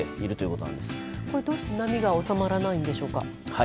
これはどうして波が収まらないんでしょうか？